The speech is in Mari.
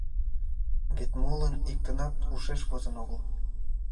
Вет молын иктынат ушеш возын огыл.